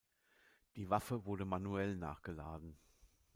Die Waffe wurde manuell nachgeladen.